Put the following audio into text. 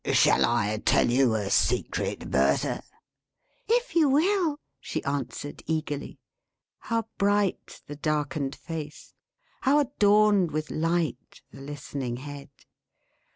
"Shall I tell you a secret, Bertha?" "If you will!" she answered, eagerly. How bright the darkened face! How adorned with light, the listening head!